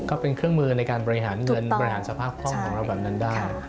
ก็เป็นเครื่องมือในการบริหารเงินบริหารสภาพคล่องของเราแบบนั้นได้